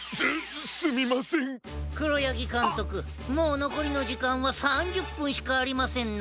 もうのこりのじかんは３０ぷんしかありませんな。